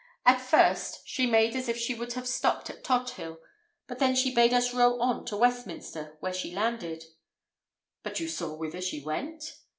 "At first, she made as if she would have stopped at Tothill, but then she bade us row on to Westminster, where she landed." "But you saw whither she went?"